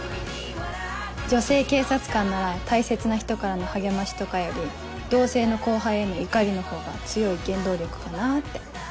女性警察官なら大切な人からの励ましとかより同性の後輩への怒りのほうが強い原動力かなって。